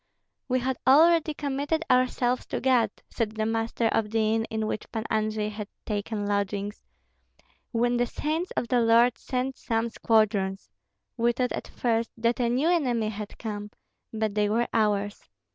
"We had already committed ourselves to God," said the master of the inn in which Pan Andrei had taken lodgings, "when the saints of the Lord sent some squadrons. We thought at first that a new enemy had come, but they were ours.